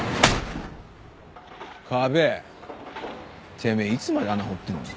てめえいつまで穴掘ってんだ。